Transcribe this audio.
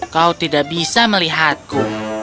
kau tidak bisa melihatku